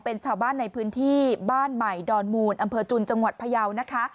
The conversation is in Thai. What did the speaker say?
เป็นชาวบ้านในพื้นที่บ้านใหม่ดอนมูลอำเภอจุนจังหวัดพยาวนะคะ